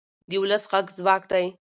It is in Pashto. د ولس غږ ځواک دی